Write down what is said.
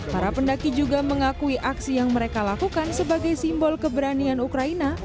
para pendaki juga mengakui aksi yang mereka lakukan sebagai simbol keberanian ukraina